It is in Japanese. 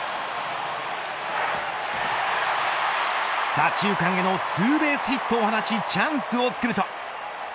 左中間へのツーベースヒットを放ちチャンスを作ると。